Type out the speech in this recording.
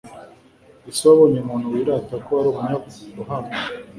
ese wabonye umuntu wirata ko ari umunyabuhanga